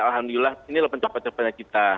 alhamdulillah ini loh pencapa capa kita